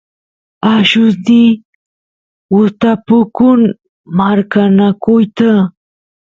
allusniy gustapukun marqanakuyta